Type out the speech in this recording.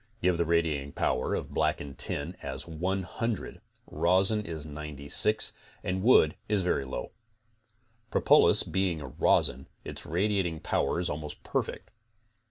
Give the radiating power of blackened tin as 100, rosin is 96 and wood is very low. Propolis, being a rosin its radiating power is almost perfect.